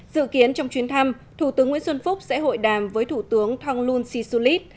dự kiến trong chuyến thăm thủ tướng nguyễn xuân phúc sẽ hội đàm với thủ tướng thonglun sisulit